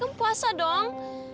kamu puasa dong